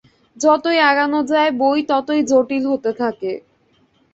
যতই আগানো যায় বই ততই জটিল হতে থাকে।